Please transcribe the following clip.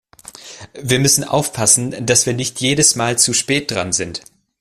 Wir müssen aufpassen, dass wir nicht jedes Mal zu spät dran sind.